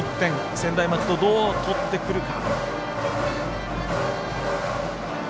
専大松戸、どうとってくるか。